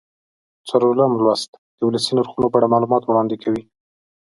څلورم لوست د ولسي نرخونو په اړه معلومات وړاندې کوي.